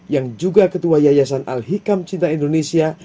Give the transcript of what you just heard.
yang juga ketua yayasan al hikam cinta indonesia